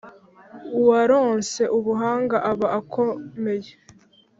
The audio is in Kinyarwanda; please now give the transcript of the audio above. Uwaronse ubuhanga aba akomeye!